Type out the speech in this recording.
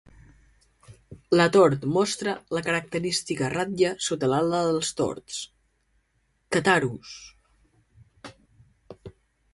El tord mostra la característica ratlla sota l'ala dels tords "Catharus".